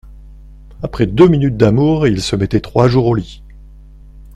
Après deux minutes d'amour il se mettait trois jours au lit.